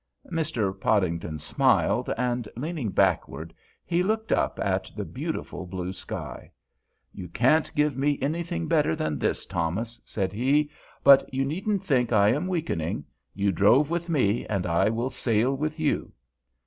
Mr. Podington smiled, and leaning backward, he looked up at the beautiful blue sky. "You can't give me anything better than this, Thomas," said he; "but you needn't think I am weakening; you drove with me, and I will sail with you."